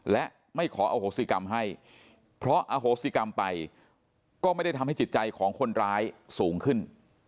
และไม่ขออโหสิกรรมให้เพราะอโหสิกรรมไปก็ไม่ได้ทำให้จิตใจของคนร้ายสูงขึ้น